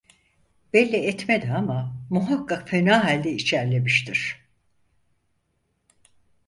Belli etmedi ama, muhakkak fena halde içerlemiştir.